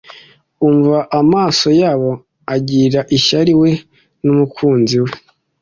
umva amaso yabo agirira ishyari we n'umukunzi we